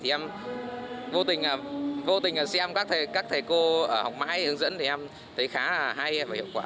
thì em vô tình xem các thầy cô học máy hướng dẫn thì em thấy khá hay và hiệu quả